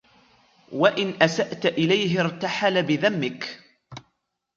وَإِنْ أَسَأْت إلَيْهِ ارْتَحَلَ بِذَمِّك